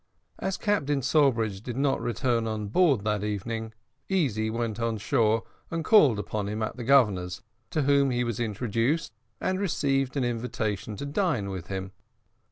As Captain Sawbridge did not return on board that evening, Easy went on shore and called upon him at the Governor's, to whom he was introduced, and received an invitation to dine with him.